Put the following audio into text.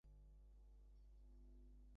আকাশের রঙ কী?